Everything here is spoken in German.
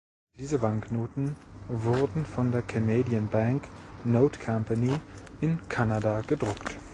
Diese Banknoten wurden von der Canadian Bank Note Company in Kanada gedruckt.